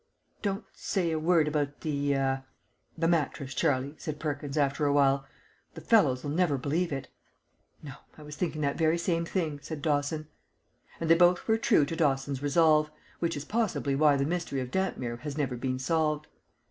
"Don't say a word about the ah the mattress, Charlie," said Perkins, after awhile. "The fellows'll never believe it." "No. I was thinking that very same thing," said Dawson. And they were both true to Dawson's resolve, which is possibly why the mystery of Dampmere has never been solved.